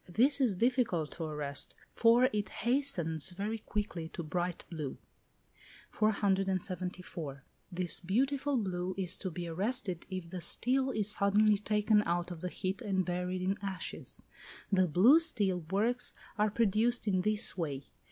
This is difficult to arrest, for it hastens very quickly to bright blue. 474. This beautiful blue is to be arrested if the steel is suddenly taken out of the heat and buried in ashes. The blue steel works are produced in this way.